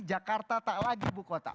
jakarta tak lagi ibu kota